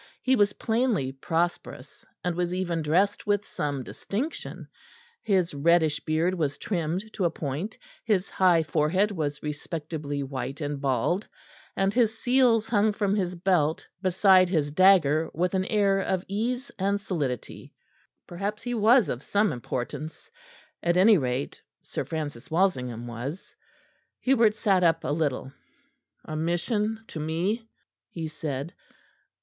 He was plainly prosperous, and was even dressed with some distinction; his reddish beard was trimmed to a point; his high forehead was respectably white and bald; and his seals hung from his belt beside his dagger with an air of ease and solidity. Perhaps he was of some importance; at any rate, Sir Francis Walsingham was. Hubert sat up a little. "A mission to me?" he said.